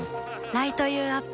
ライト・ユー・アップ